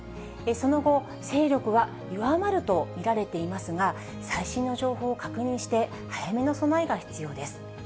その後、勢力は弱まると見られていますが、最新の情報を確認して、早めの備えが必要です。